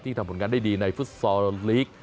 ที่ทำผลงานได้ดีในฟุตสอร์ลีก